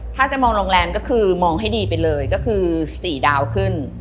ถ้าจะมองโรงแรมก็คือมองให้ดีไปเลยก็คือ๔ดาวขึ้น